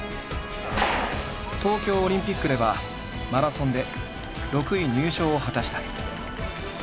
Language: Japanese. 東京オリンピックではマラソンで６位入賞を果たした。